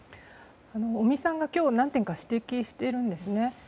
尾身さんが今日何点か指摘しているんですね。